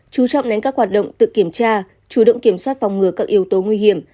chú trọng đến các hoạt động tự kiểm tra chủ động kiểm soát phòng ngừa các yếu tố nguy hiểm